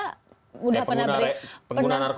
pengguna narkoba misalnya